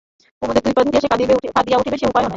কুমুদের দুটি পা ধরিয়া সে যে কাঁদিয়া উঠিবে সে উপায়ও নাই।